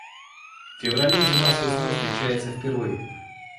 В феврале зима с весной встретятся впервой.